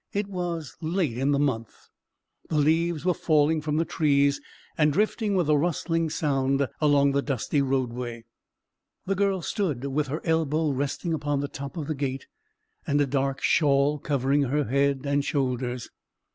It was late in the month: the leaves were falling from the trees, and drifting with a rustling sound along the dusty roadway. The girl stood with her elbow resting upon the top of the gate, and a dark shawl covering her head and shoulders.